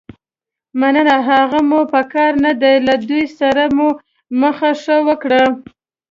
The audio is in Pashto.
مننه، هغه مو په کار نه دي، له دوی سره مو مخه ښه وکړه.